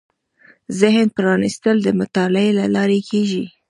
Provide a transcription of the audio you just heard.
ذهن پرانېستل د مطالعې له لارې کېږي